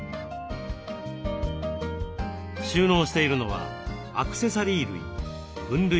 収納しているのはアクセサリー類。